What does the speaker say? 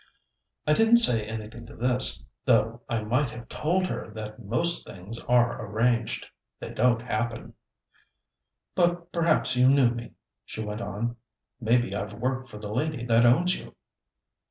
I didn't say anything to this, though I might have told her that most things are arranged. They don't happen. "But perhaps you knew me," she went on. "Maybe I've worked for the lady that owns you."